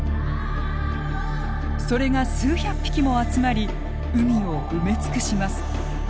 それが数百匹も集まり海を埋め尽くします。